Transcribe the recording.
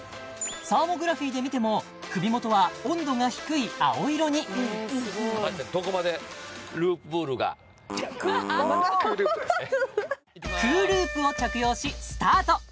サーモグラフィーで見ても首元は温度が低い青色にＣＯＯＬＯＯＰを着用しスタート